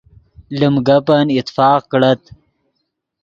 لیم گپن اتفاق کڑت